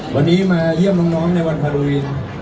วันนี้มาเยี่ยมน้องในวันฮาโลวีน